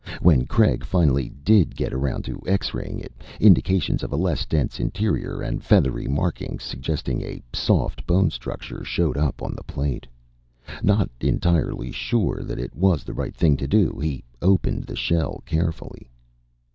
When Craig finally did get around to X raying it, indications of a less dense interior and feathery markings suggesting a soft bone structure showed up on the plate. Not entirely sure that it was the right thing to do, he opened the shell carefully.